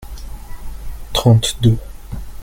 trente deux.